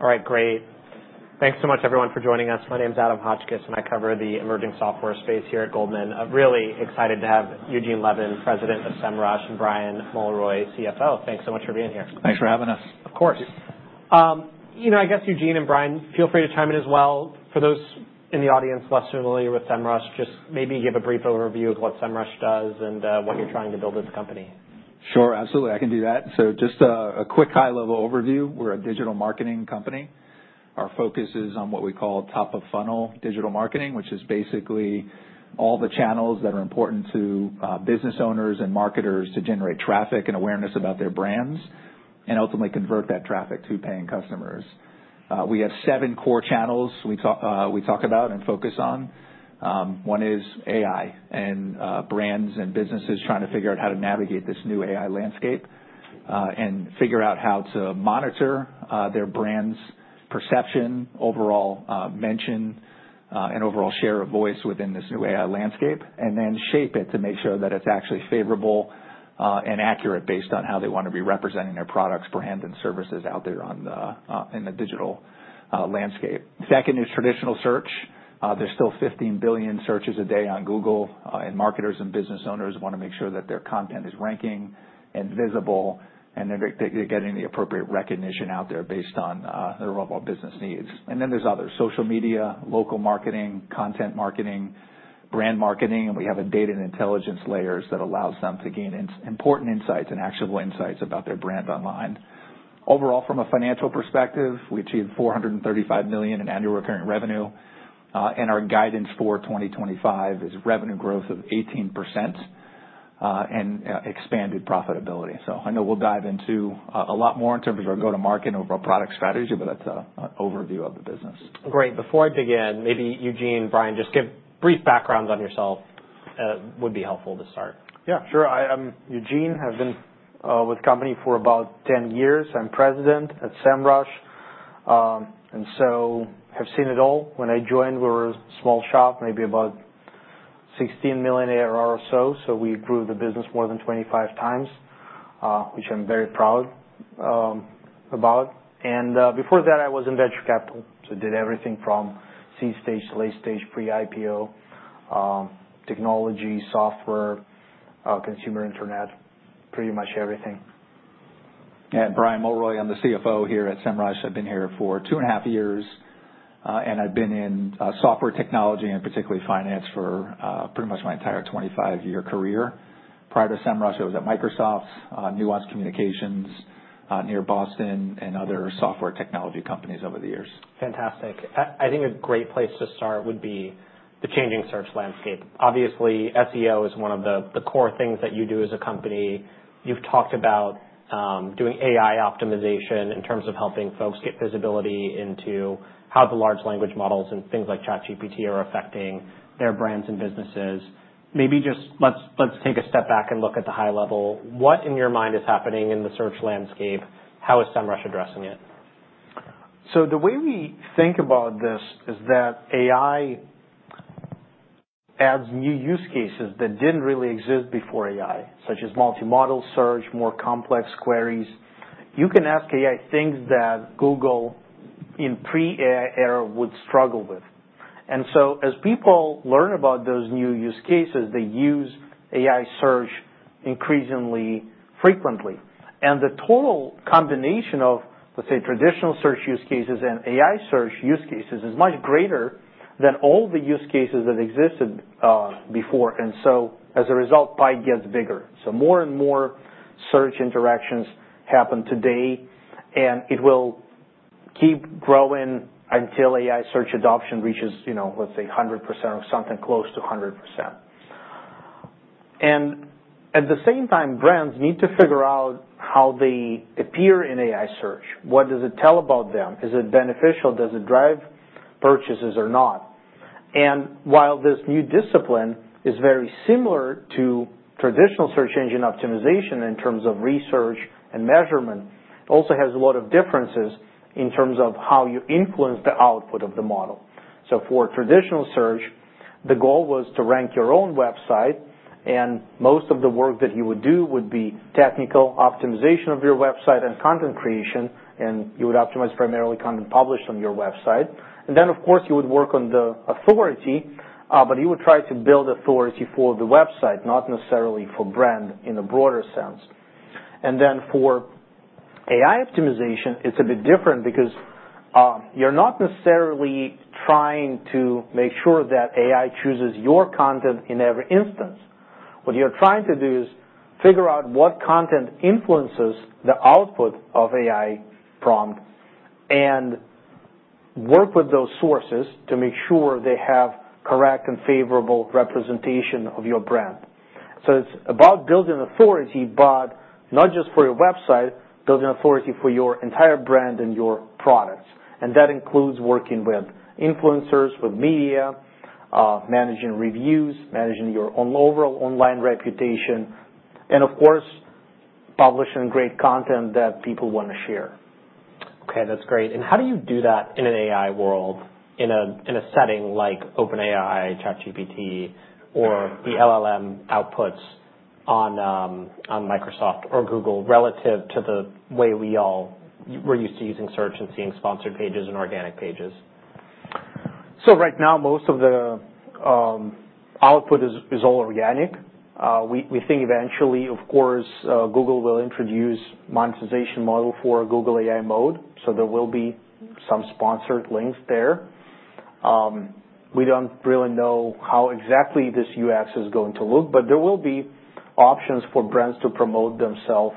All right, great. Thanks so much, everyone, for joining us. My name's Adam Hotchkiss, and I cover the emerging software space here at Goldman. Really excited to have Eugene Levin, President of Semrush, and Brian Mulroy, CFO. Thanks so much for being here. Thanks for having us. Of course. You know, I guess Eugene and Brian, feel free to chime in as well. For those in the audience less familiar with Semrush, just maybe give a brief overview of what Semrush does and what you're trying to build as a company. Sure, absolutely. I can do that. So just a quick high-level overview. We're a digital marketing company. Our focus is on what we call top-of-funnel digital marketing, which is basically all the channels that are important to business owners and marketers to generate traffic and awareness about their brands and ultimately convert that traffic to paying customers. We have seven core channels we talk about and focus on. One is AI and brands and businesses trying to figure out how to navigate this new AI landscape and figure out how to monitor their brand's perception, overall mention, and overall share of voice within this new AI landscape, and then shape it to make sure that it's actually favorable and accurate based on how they want to be representing their products, brand, and services out there in the digital landscape. Second is traditional search. There's still 15 billion searches a day on Google, and marketers and business owners want to make sure that their content is ranking and visible and they're getting the appropriate recognition out there based on their overall business needs. And then there's other social media, local marketing, content marketing, brand marketing, and we have a data and intelligence layers that allows them to gain important insights and actionable insights about their brand online. Overall, from a financial perspective, we achieved $435 million in annual recurring revenue, and our guidance for 2025 is revenue growth of 18% and expanded profitability. So I know we'll dive into a lot more in terms of our go-to-market and overall product strategy, but that's an overview of the business. Great. Before I begin, maybe Eugene and Brian just give brief backgrounds on yourself would be helpful to start. Yeah, sure. I'm Eugene. I've been with the company for about 10 years. I'm President at Semrush, and so have seen it all. When I joined, we were a small shop, maybe about $16 million ARR or so, so we grew the business more than 25x, which I'm very proud about. And before that, I was in venture capital, so did everything from seed stage to late stage, pre-IPO, technology, software, consumer internet, pretty much everything. Brian Mulroy, I'm the CFO here at Semrush. I've been here for two and a half years, and I've been in software technology and particularly finance for pretty much my entire 25-year career. Prior to Semrush, I was at Microsoft, Nuance Communications near Boston, and other software technology companies over the years. Fantastic. I think a great place to start would be the changing search landscape. Obviously, SEO is one of the core things that you do as a company. You've talked about doing AI optimization in terms of helping folks get visibility into how the large language models and things like ChatGPT are affecting their brands and businesses. Maybe just let's take a step back and look at the high level. What, in your mind, is happening in the search landscape? How is Semrush addressing it? So the way we think about this is that AI adds new use cases that didn't really exist before AI, such as multimodal search, more complex queries. You can ask AI things that Google in pre-AI era would struggle with. And so as people learn about those new use cases, they use AI search increasingly frequently. And the total combination of, let's say, traditional search use cases and AI search use cases is much greater than all the use cases that existed before. And so as a result, pie gets bigger. So more and more search interactions happen today, and it will keep growing until AI search adoption reaches, you know, let's say, 100% or something close to 100%. And at the same time, brands need to figure out how they appear in AI search. What does it tell about them? Is it beneficial? Does it drive purchases or not? And while this new discipline is very similar to traditional search engine optimization in terms of research and measurement, it also has a lot of differences in terms of how you influence the output of the model. So for traditional search, the goal was to rank your own website, and most of the work that you would do would be technical optimization of your website and content creation, and you would optimize primarily content published on your website. And then, of course, you would work on the authority, but you would try to build authority for the website, not necessarily for brand in a broader sense. And then for AI optimization, it's a bit different because you're not necessarily trying to make sure that AI chooses your content in every instance. What you're trying to do is figure out what content influences the output of AI prompt and work with those sources to make sure they have correct and favorable representation of your brand. So it's about building authority, but not just for your website, building authority for your entire brand and your products. And that includes working with influencers, with media, managing reviews, managing your overall online reputation, and of course, publishing great content that people want to share. Okay, that's great. And how do you do that in an AI world, in a setting like OpenAI, ChatGPT, or the LLM outputs on Microsoft or Google relative to the way we all were used to using search and seeing sponsored pages and organic pages? So right now, most of the output is all organic. We think eventually, of course, Google will introduce a monetization model for Google AI mode, so there will be some sponsored links there. We don't really know how exactly this UX is going to look, but there will be options for brands to promote themselves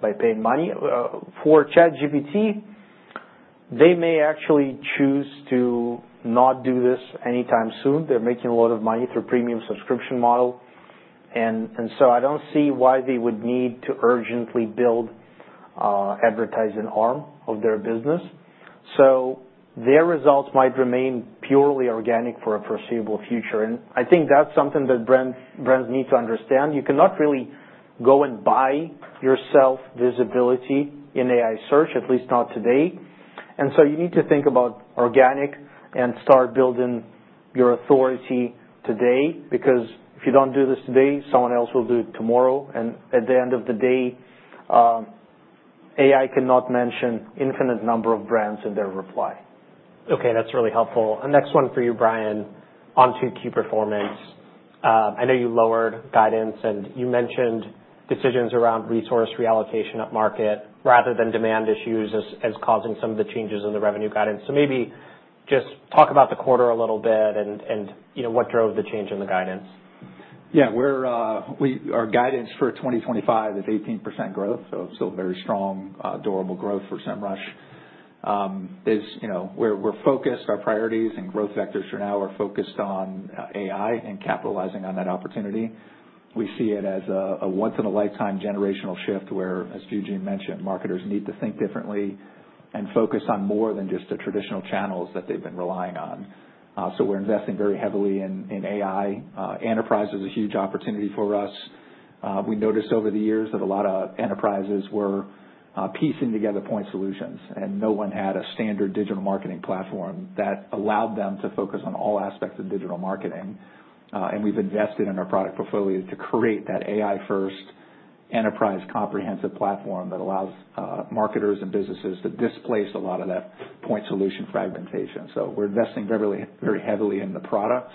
by paying money. For ChatGPT, they may actually choose to not do this anytime soon. They're making a lot of money through a premium subscription model, and so I don't see why they would need to urgently build an advertising arm of their business. So their results might remain purely organic for a foreseeable future. And I think that's something that brands need to understand. You cannot really go and buy yourself visibility in AI search, at least not today. And so you need to think about organic and start building your authority today because if you don't do this today, someone else will do it tomorrow. And at the end of the day, AI cannot mention an infinite number of brands in their reply. Okay, that's really helpful. And next one for you, Brian, onto key performance. I know you lowered guidance, and you mentioned decisions around resource reallocation at market rather than demand issues as causing some of the changes in the revenue guidance. So maybe just talk about the quarter a little bit and what drove the change in the guidance. Yeah, our guidance for 2025 is 18% growth, so still very strong, durable growth for Semrush. We're focused. Our priorities and growth vectors for now are focused on AI and capitalizing on that opportunity. We see it as a once-in-a-lifetime generational shift where, as Eugene mentioned, marketers need to think differently and focus on more than just the traditional channels that they've been relying on, so we're investing very heavily in AI. Enterprise is a huge opportunity for us. We noticed over the years that a lot of enterprises were piecing together point solutions, and no one had a standard digital marketing platform that allowed them to focus on all aspects of digital marketing, and we've invested in our product portfolio to create that AI-first enterprise comprehensive platform that allows marketers and businesses to displace a lot of that point solution fragmentation. We're investing very heavily in the product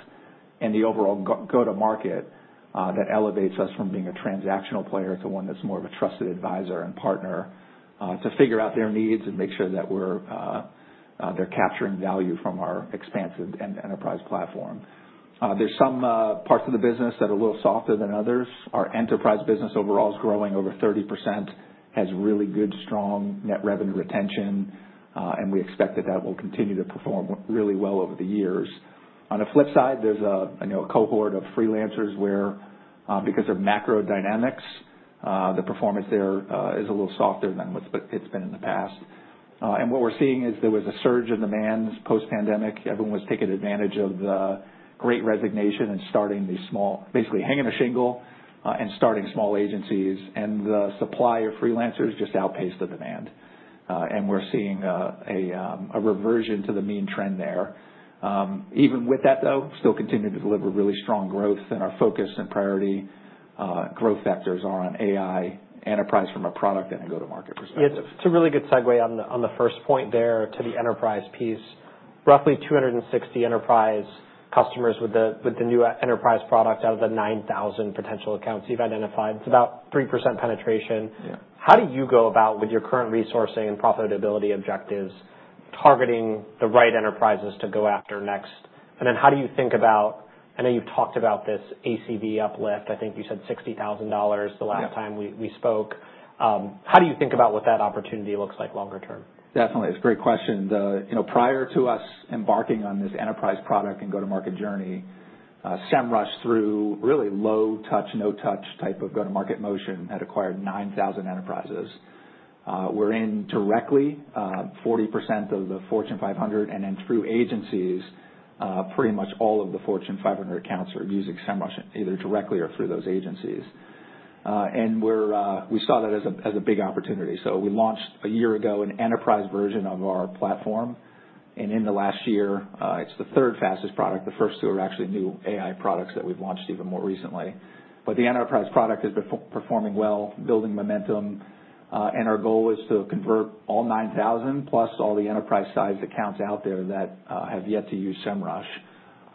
and the overall go-to-market that elevates us from being a transactional player to one that's more of a trusted advisor and partner to figure out their needs and make sure that they're capturing value from our expansive enterprise platform. There's some parts of the business that are a little softer than others. Our enterprise business overall is growing over 30%, has really good, strong net revenue retention, and we expect that will continue to perform really well over the years. On the flip side, there's a cohort of freelancers where, because of macro dynamics, the performance there is a little softer than it's been in the past. What we're seeing is there was a surge in demand post-pandemic. Everyone was taking advantage of the Great Resignation and starting these small, basically hanging a shingle and starting small agencies, and the supply of freelancers just outpaced the demand, and we're seeing a reversion to the mean trend there. Even with that, though, we still continue to deliver really strong growth, and our focus and priority growth factors are on AI enterprise from a product and a go-to-market perspective. It's a really good segue on the first point there to the enterprise piece. Roughly 260 enterprise customers with the new enterprise product out of the 9,000 potential accounts you've identified. It's about 3% penetration. How do you go about with your current resourcing and profitability objectives, targeting the right enterprises to go after next? And then how do you think about, I know you've talked about this ACV uplift. I think you said $60,000 the last time we spoke. How do you think about what that opportunity looks like longer term? Definitely. It's a great question. Prior to us embarking on this enterprise product and go-to-market journey, Semrush, through really low touch, no touch type of go-to-market motion, had acquired 9,000 enterprises. We're in directly, 40% of the Fortune 500, and then through agencies, pretty much all of the Fortune 500 accounts are using Semrush either directly or through those agencies. And we saw that as a big opportunity. So we launched a year ago an enterprise version of our platform, and in the last year, it's the third fastest product. The first two are actually new AI products that we've launched even more recently. But the enterprise product has been performing well, building momentum, and our goal is to convert all 9,000 plus all the enterprise-sized accounts out there that have yet to use Semrush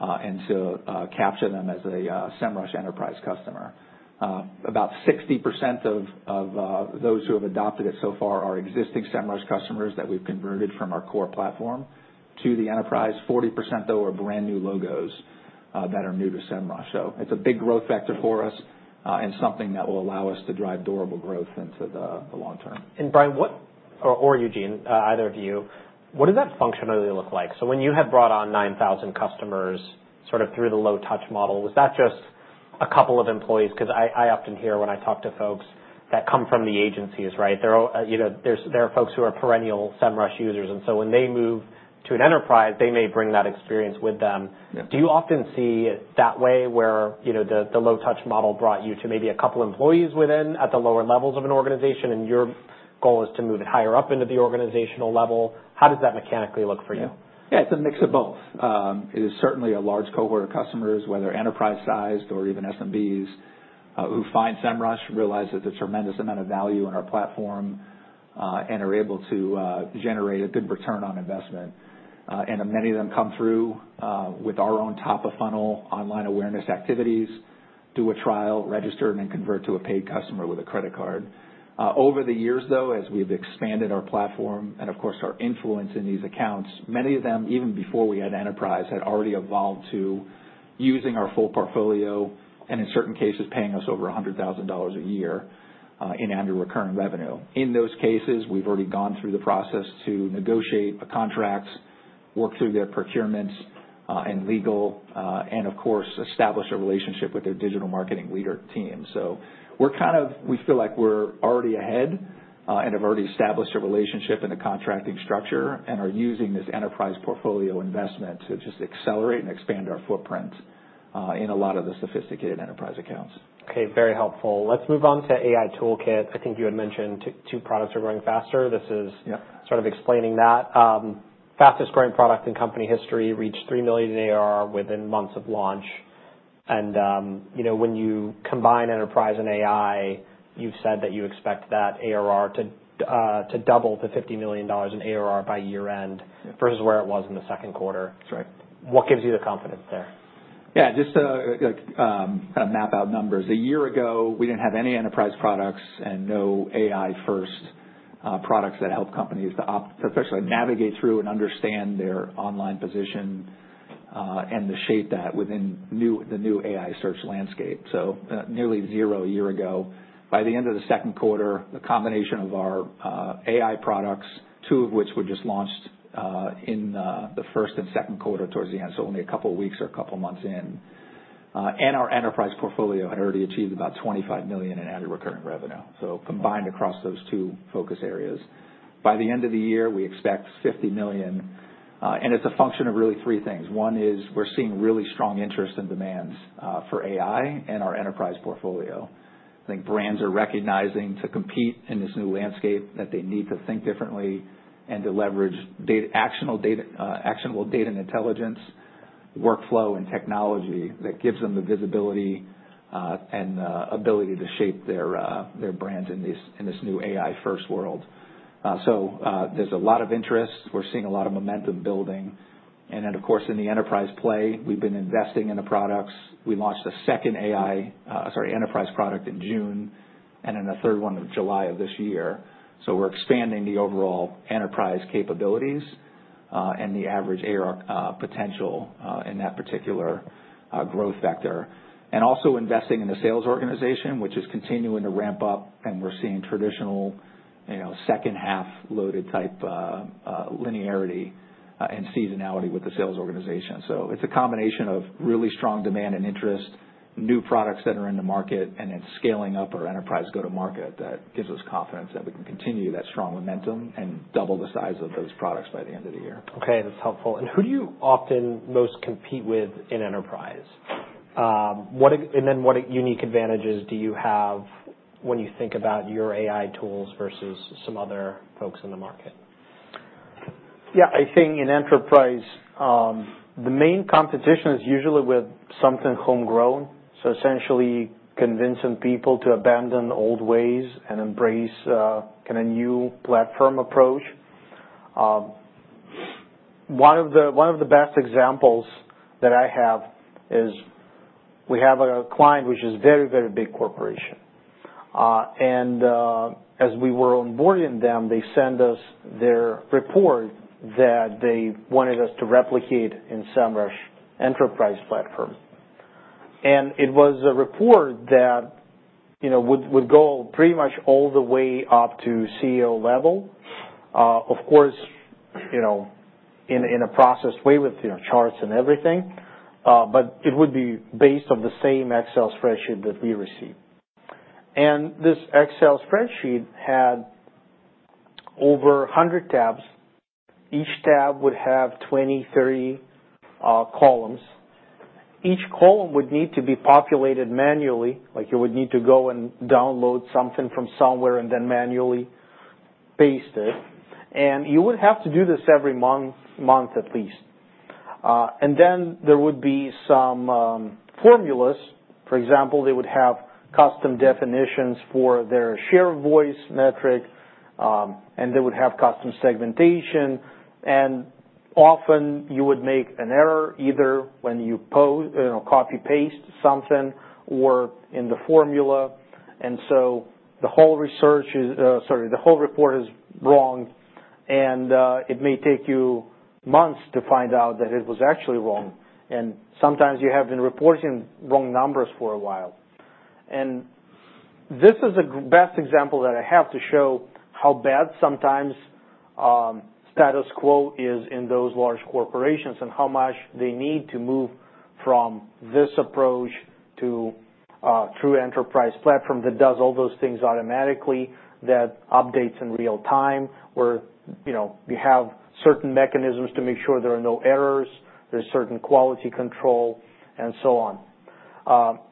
and to capture them as a Semrush enterprise customer. About 60% of those who have adopted it so far are existing Semrush customers that we've converted from our core platform to the enterprise. 40%, though, are brand new logos that are new to Semrush. So it's a big growth factor for us and something that will allow us to drive durable growth into the long term. Brian, or Eugene, either of you, what does that function really look like? When you had brought on 9,000 customers sort of through the low touch model, was that just a couple of employees? Because I often hear when I talk to folks that come from the agencies, right? There are folks who are perennial Semrush users, and so when they move to an enterprise, they may bring that experience with them. Do you often see that way where the low touch model brought you to maybe a couple of employees within at the lower levels of an organization, and your goal is to move it higher up into the organizational level? How does that mechanically look for you? Yeah, it's a mix of both. It is certainly a large cohort of customers, whether enterprise-sized or even SMBs, who find Semrush, realize there's a tremendous amount of value in our platform, and are able to generate a good return on investment, and many of them come through with our own top-of-funnel online awareness activities, do a trial, register, and then convert to a paid customer with a credit card. Over the years, though, as we've expanded our platform and, of course, our influence in these accounts, many of them, even before we had enterprise, had already evolved to using our full portfolio and, in certain cases, paying us over $100,000 a year in annual recurring revenue. In those cases, we've already gone through the process to negotiate contracts, work through their procurements and legal, and, of course, establish a relationship with their digital marketing leader team. We're kind of, we feel like we're already ahead and have already established a relationship in the contracting structure and are using this enterprise portfolio investment to just accelerate and expand our footprint in a lot of the sophisticated enterprise accounts. Okay, very helpful. Let's move on to AI Toolkit. I think you had mentioned two products are growing faster. This is sort of explaining that. Fastest growing product in company history reached $3 million ARR within months of launch. And when you combine enterprise and AI, you've said that you expect that ARR to double to $50 million in ARR by year-end versus where it was in the second quarter. That's right. What gives you the confidence there? Yeah, just to kind of map out numbers. A year ago, we didn't have any enterprise products and no AI-first products that help companies to essentially navigate through and understand their online position and the shape that within the new AI search landscape. So nearly zero a year ago. By the end of the second quarter, the combination of our AI products, two of which were just launched in the first and second quarter towards the end, so only a couple of weeks or a couple of months in, and our enterprise portfolio had already achieved about $25 million in annual recurring revenue, so combined across those two focus areas. By the end of the year, we expect $50 million, and it's a function of really three things. One is we're seeing really strong interest and demands for AI and our enterprise portfolio. I think brands are recognizing to compete in this new landscape that they need to think differently and to leverage actionable data and intelligence workflow and technology that gives them the visibility and ability to shape their brands in this new AI-first world. So there's a lot of interest. We're seeing a lot of momentum building. And then, of course, in the enterprise play, we've been investing in the products. We launched a second AI, sorry, enterprise product in June and then a third one in July of this year. So we're expanding the overall enterprise capabilities and the average ARR potential in that particular growth vector. And also investing in the sales organization, which is continuing to ramp up, and we're seeing traditional second-half loaded type linearity and seasonality with the sales organization. It's a combination of really strong demand and interest, new products that are in the market, and then scaling up our enterprise go-to-market that gives us confidence that we can continue that strong momentum and double the size of those products by the end of the year. Okay, that's helpful. And who do you often most compete with in enterprise? And then what unique advantages do you have when you think about your AI tools versus some other folks in the market? Yeah, I think in enterprise, the main competition is usually with something homegrown, so essentially convincing people to abandon old ways and embrace kind of new platform approach. One of the best examples that I have is we have a client which is a very, very big corporation, and as we were onboarding them, they sent us their report that they wanted us to replicate in Semrush enterprise platform, and it was a report that would go pretty much all the way up to CEO level, of course, in a processed way with charts and everything, but it would be based on the same Excel spreadsheet that we received, and this Excel spreadsheet had over 100 tabs. Each tab would have 23 columns. Each column would need to be populated manually. Like you would need to go and download something from somewhere and then manually paste it. And you would have to do this every month at least. And then there would be some formulas. For example, they would have custom definitions for their share of voice metric, and they would have custom segmentation. And often you would make an error either when you copy-paste something or in the formula. And so the whole research, sorry, the whole report is wrong, and it may take you months to find out that it was actually wrong. And sometimes you have been reporting wrong numbers for a while. And this is the best example that I have to show how bad sometimes status quo is in those large corporations and how much they need to move from this approach to a true enterprise platform that does all those things automatically, that updates in real time, where you have certain mechanisms to make sure there are no errors, there's certain quality control, and so on.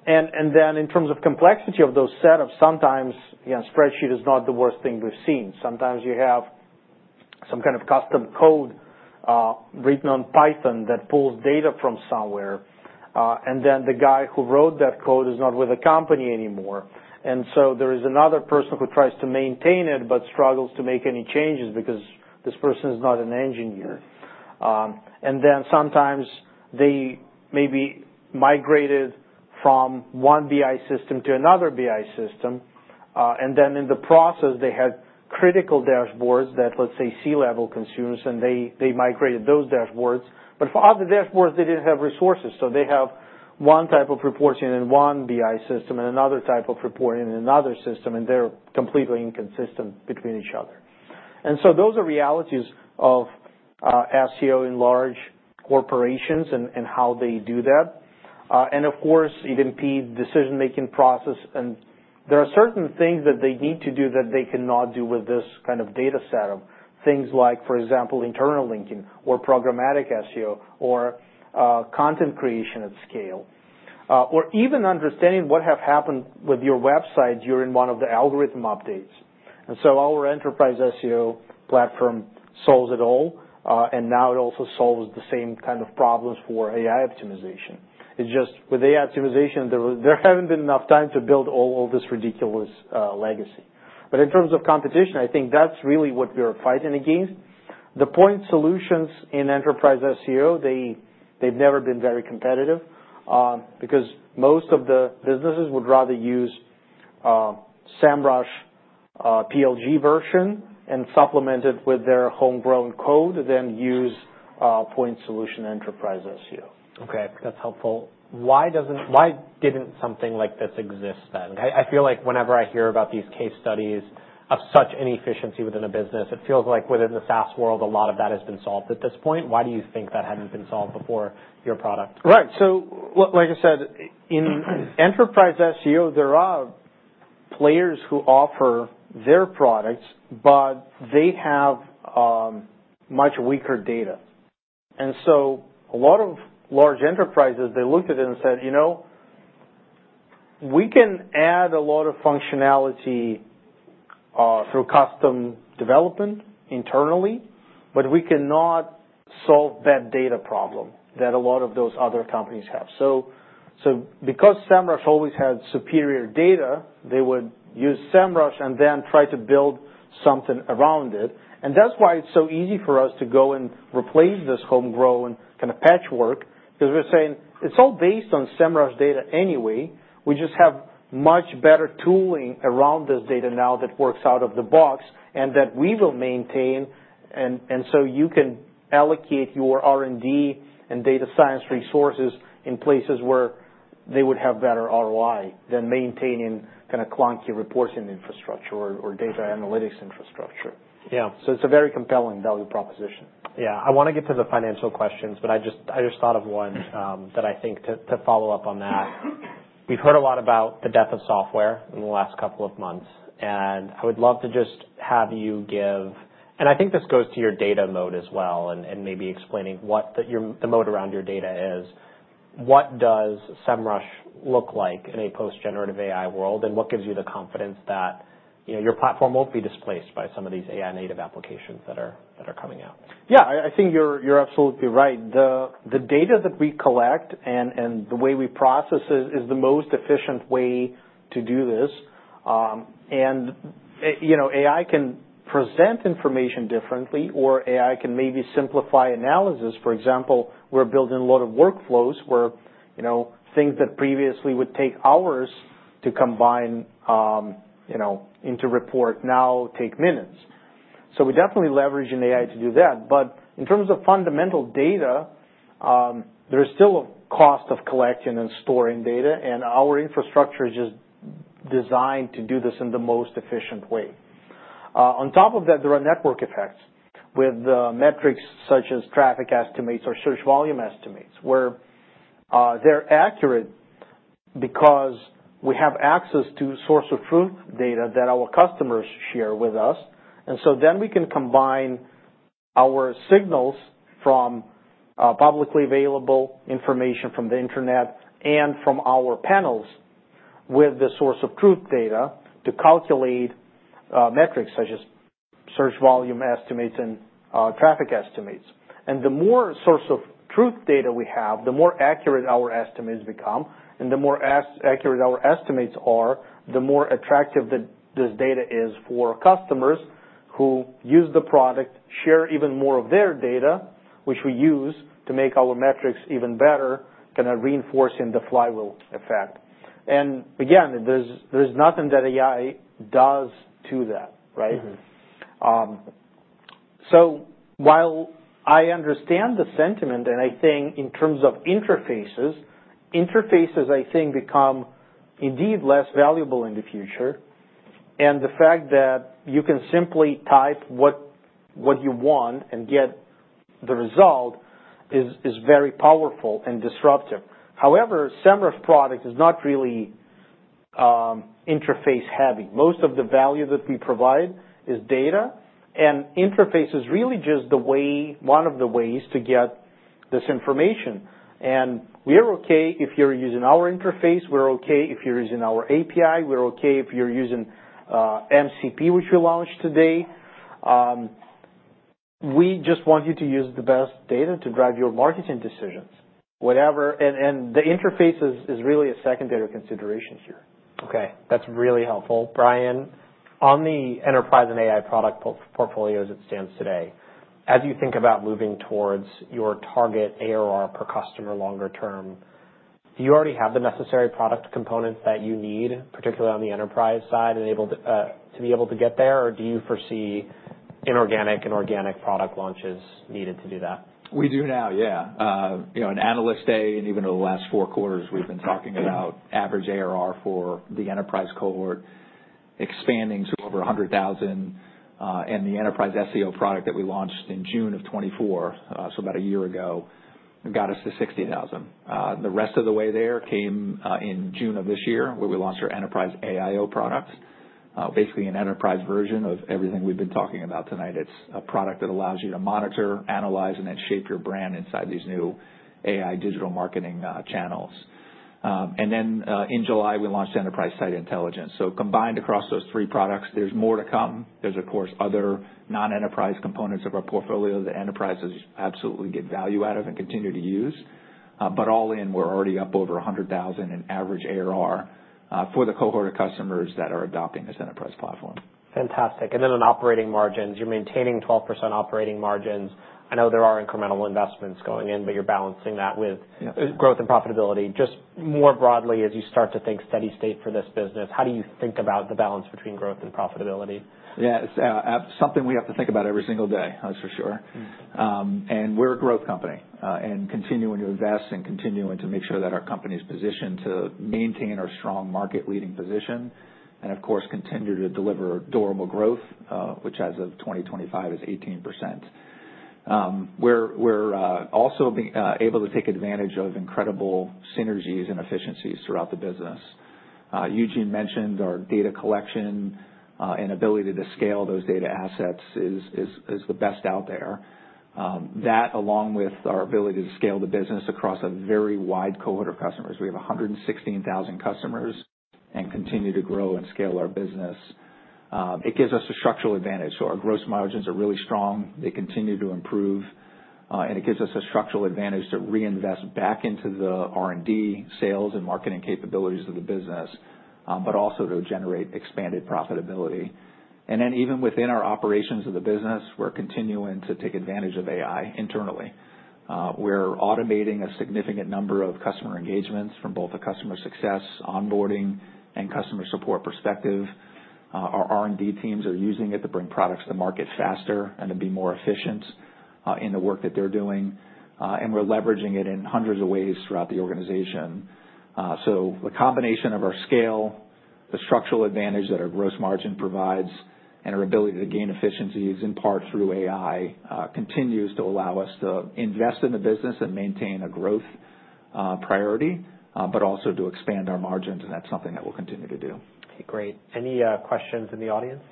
And then in terms of complexity of those setups, sometimes a spreadsheet is not the worst thing we've seen. Sometimes you have some kind of custom code written on Python that pulls data from somewhere, and then the guy who wrote that code is not with the company anymore. And so there is another person who tries to maintain it but struggles to make any changes because this person is not an engineer. And then sometimes they maybe migrated from one BI system to another BI system. And then in the process, they had critical dashboards that, let's say, C-level consumers, and they migrated those dashboards. But for other dashboards, they didn't have resources. So they have one type of reporting in one BI system and another type of reporting in another system, and they're completely inconsistent between each other. And so those are realities of SEO in large corporations and how they do that. And of course, it impedes the decision-making process. And there are certain things that they need to do that they cannot do with this kind of data set of things like, for example, internal linking or programmatic SEO or content creation at scale, or even understanding what has happened with your website during one of the algorithm updates. And so our Enterprise SEO platform solves it all, and now it also solves the same kind of problems for AI optimization. It's just with AI optimization, there hasn't been enough time to build all this ridiculous legacy. But in terms of competition, I think that's really what we are fighting against. The point solutions in Enterprise SEO, they've never been very competitive because most of the businesses would rather use Semrush PLG version and supplement it with their homegrown code than use point solution Enterprise SEO. Okay, that's helpful. Why didn't something like this exist then? I feel like whenever I hear about these case studies of such inefficiency within a business, it feels like within the SaaS world, a lot of that has been solved at this point. Why do you think that hadn't been solved before your product? Right. So like I said, in enterprise SEO, there are players who offer their products, but they have much weaker data. And so a lot of large enterprises, they looked at it and said, "We can add a lot of functionality through custom development internally, but we cannot solve that data problem that a lot of those other companies have." So because Semrush always had superior data, they would use Semrush and then try to build something around it. And that's why it's so easy for us to go and replace this homegrown kind of patchwork because we're saying it's all based on Semrush data anyway. We just have much better tooling around this data now that works out of the box and that we will maintain. And so you can allocate your R&D and data science resources in places where they would have better ROI than maintaining kind of clunky reporting infrastructure or data analytics infrastructure. So it's a very compelling value proposition. Yeah. I want to get to the financial questions, but I just thought of one that I think to follow up on that. We've heard a lot about the death of software in the last couple of months. And I would love to just have you give, and I think this goes to your data mode as well and maybe explaining what the mode around your data is. What does Semrush look like in a post-generative AI world, and what gives you the confidence that your platform won't be displaced by some of these AI-native applications that are coming out? Yeah, I think you're absolutely right. The data that we collect and the way we process it is the most efficient way to do this. And AI can present information differently, or AI can maybe simplify analysis. For example, we're building a lot of workflows where things that previously would take hours to combine into report now take minutes. So we definitely leverage an AI to do that. But in terms of fundamental data, there is still a cost of collecting and storing data, and our infrastructure is just designed to do this in the most efficient way. On top of that, there are network effects with metrics such as traffic estimates or search volume estimates, where they're accurate because we have access to source of truth data that our customers share with us. And so then we can combine our signals from publicly available information from the internet and from our panels with the source of truth data to calculate metrics such as search volume estimates and traffic estimates. And the more source of truth data we have, the more accurate our estimates become. And the more accurate our estimates are, the more attractive this data is for customers who use the product, share even more of their data, which we use to make our metrics even better, kind of reinforcing the flywheel effect. And again, there's nothing that AI does to that, right? So while I understand the sentiment, and I think in terms of interfaces, interfaces I think become indeed less valuable in the future. And the fact that you can simply type what you want and get the result is very powerful and disruptive. However, Semrush product is not really interface heavy. Most of the value that we provide is data, and interface is really just one of the ways to get this information. And we're okay if you're using our interface. We're okay if you're using our API. We're okay if you're using MCP, which we launched today. We just want you to use the best data to drive your marketing decisions. And the interface is really a secondary consideration here. Okay. That's really helpful. Brian, on the enterprise and AI product portfolio as it stands today, as you think about moving towards your target ARR per customer longer term, do you already have the necessary product components that you need, particularly on the enterprise side, to be able to get there? Or do you foresee inorganic and organic product launches needed to do that? We do now, yeah. In Analyst Day, and even in the last four quarters, we've been talking about average ARR for the enterprise cohort expanding to over $100,000, and the Enterprise SEO product that we launched in June of 2024, so about a year ago, got us to $ 60,000. The rest of the way there came in June of this year where we launched our Enterprise AIO product, basically an enterprise version of everything we've been talking about tonight. It's a product that allows you to monitor, analyze, and then shape your brand inside these new AI digital marketing channels, and then in July, we launched Enterprise Site Intelligence, so combined across those three products, there's more to come. There's, of course, other non-enterprise components of our portfolio that enterprises absolutely get value out of and continue to use. But all in, we're already up over $ 100,000 in average ARR for the cohort of customers that are adopting this enterprise platform. Fantastic. And then on operating margins, you're maintaining 12% operating margins. I know there are incremental investments going in, but you're balancing that with growth and profitability. Just more broadly, as you start to think steady state for this business, how do you think about the balance between growth and profitability? Yeah, it's something we have to think about every single day, that's for sure, and we're a growth company and continuing to invest and continuing to make sure that our company is positioned to maintain our strong market-leading position and, of course, continue to deliver durable growth, which as of 2025 is 18%. We're also able to take advantage of incredible synergies and efficiencies throughout the business. Eugene mentioned our data collection and ability to scale those data assets is the best out there. That, along with our ability to scale the business across a very wide cohort of customers, we have 116,000 customers and continue to grow and scale our business. It gives us a structural advantage. So our gross margins are really strong. They continue to improve. It gives us a structural advantage to reinvest back into the R&D, sales, and marketing capabilities of the business, but also to generate expanded profitability. Even within our operations of the business, we're continuing to take advantage of AI internally. We're automating a significant number of customer engagements from both a customer success onboarding and customer support perspective. Our R&D teams are using it to bring products to market faster and to be more efficient in the work that they're doing. We're leveraging it in hundreds of ways throughout the organization. The combination of our scale, the structural advantage that our gross margin provides, and our ability to gain efficiencies in part through AI continues to allow us to invest in the business and maintain a growth priority, but also to expand our margins. That's something that we'll continue to do. Okay, great. Any questions in the audience?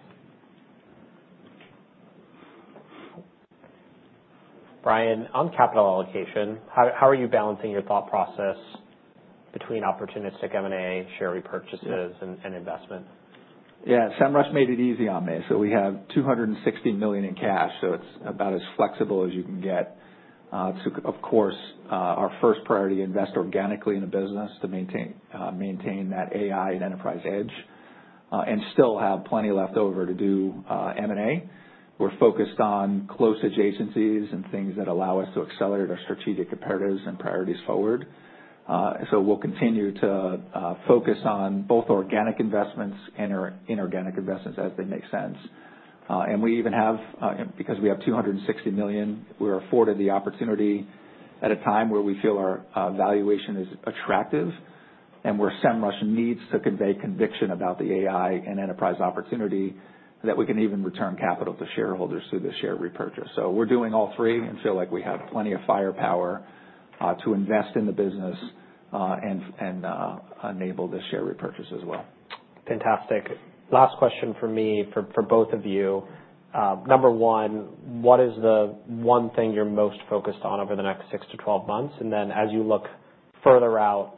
Brian, on capital allocation, how are you balancing your thought process between opportunistic M&A, share repurchases, and investment? Yeah, Semrush made it easy on me, so we have $260 million in cash, so it's about as flexible as you can get. It's, of course, our first priority to invest organically in a business to maintain that AI and enterprise edge and still have plenty left over to do M&A. We're focused on close adjacencies and things that allow us to accelerate our strategic imperatives and priorities forward, so we'll continue to focus on both organic investments and inorganic investments as they make sense. We even have, because we have $260 million, we're afforded the opportunity at a time where we feel our valuation is attractive and where Semrush needs to convey conviction about the AI and enterprise opportunity that we can even return capital to shareholders through the share repurchase. So we're doing all three and feel like we have plenty of firepower to invest in the business and enable the share repurchase as well. Fantastic. Last question for me, for both of you. Number one, what is the one thing you're most focused on over the next 6-12 months? And then as you look further out,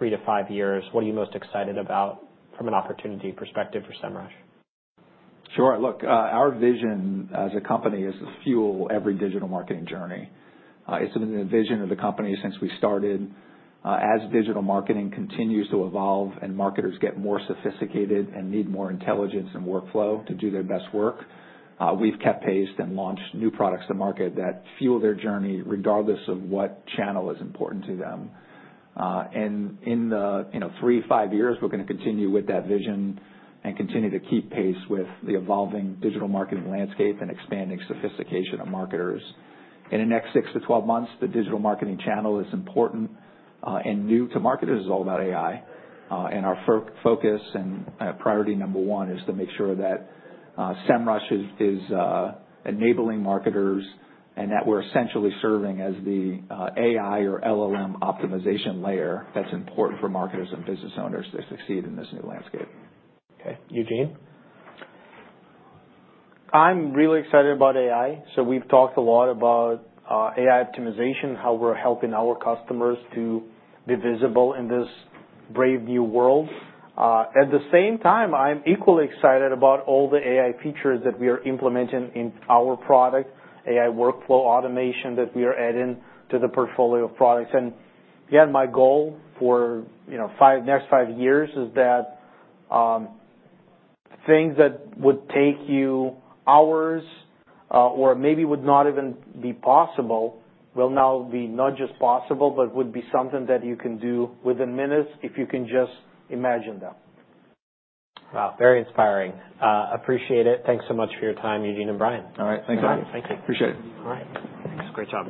3-5 years, what are you most excited about from an opportunity perspective for Semrush? Sure. Look, our vision as a company is to fuel every digital marketing journey. It's been the vision of the company since we started. As digital marketing continues to evolve and marketers get more sophisticated and need more intelligence and workflow to do their best work, we've kept pace and launched new products to market that fuel their journey regardless of what channel is important to them. In the three, five years, we're going to continue with that vision and continue to keep pace with the evolving digital marketing landscape and expanding sophistication of marketers. In the next 6 - 12 months, the digital marketing channel is important and new to marketers is all about AI. Our focus and priority number one is to make sure that Semrush is enabling marketers and that we're essentially serving as the AI or LLM optimization layer that's important for marketers and business owners to succeed in this new landscape. Okay. Eugene? I'm really excited about AI. So we've talked a lot about AI optimization, how we're helping our customers to be visible in this brave new world. At the same time, I'm equally excited about all the AI features that we are implementing in our product, AI workflow automation that we are adding to the portfolio of products. And yeah, my goal for the next five years is that things that would take you hours or maybe would not even be possible will now be not just possible, but would be something that you can do within minutes if you can just imagine them. Wow. Very inspiring. Appreciate it. Thanks so much for your time, Eugene and Brian. All right. Thanks, everyone. Thank you. Appreciate it. All right. Thanks. Great job.